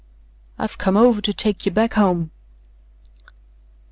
"I've come over to take ye back home."